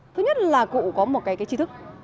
thứ nhất là cụ có một cái trí thức